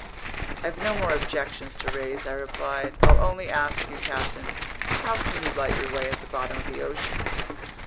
"I've no more objections to raise," I replied. "I'll only ask you, captain: how can you light your way at the bottom of the ocean?"